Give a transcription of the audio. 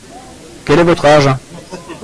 Quel est votre âge ?